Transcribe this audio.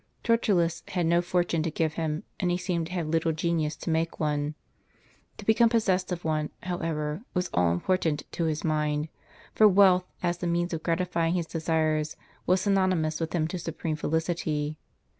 Tertullus had no fortune to give him, and he seemed to have little genius to make one. To become possessed of one, however, was all important to his mind; for wealth, as the means of gratifying his desires, was synonymous with him to supreme felicity.